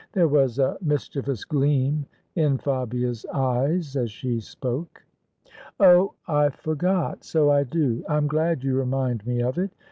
There was a mis chievous gleam in Fabia's eyes as she spoke. " Oh I I forgot: so I do. I'm glad you remind me of it.